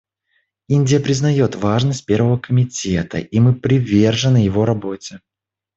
Индия признает важность Первого комитета, и мы привержены его работе.